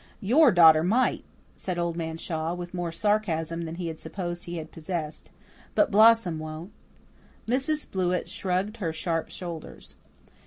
"YOUR daughter might," said Old Man Shaw, with more sarcasm than he had supposed he had possessed, "but Blossom won't." Mrs. Blewett shrugged her sharp shoulders.